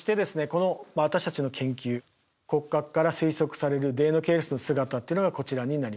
この私たちの研究骨格から推測されるデイノケイルスの姿っていうのがこちらになります。